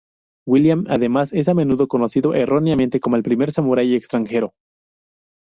William Adams es a menudo conocido erróneamente como el primer samurái extranjero.